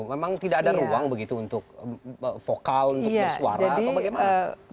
memang tidak ada ruang begitu untuk vokal untuk bersuara atau bagaimana